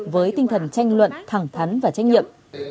với tinh thần tranh luận thẳng thắn và trách nhiệm